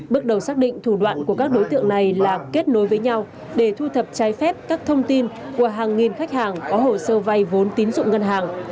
bước đầu xác định thủ đoạn của các đối tượng này là kết nối với nhau để thu thập trái phép các thông tin của hàng nghìn khách hàng có hồ sơ vay vốn tín dụng ngân hàng